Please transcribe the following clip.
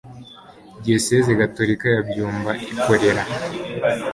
diyosezi gatolika ya byumba ikorera